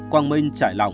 quang minh chạy lòng